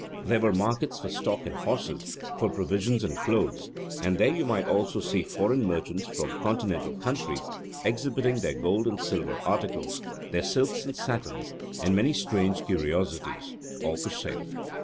There were markets for stock and horses, for provisions and clothes; and there you might also see foreign merchants from Continental countries, exhibiting their gold and silver articles, their silks and satins, and many strange curiosities: all for sale.